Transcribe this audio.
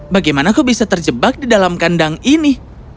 bagaimana aku bisa terjebak di dalam kandang ini